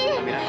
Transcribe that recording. ya aku nangis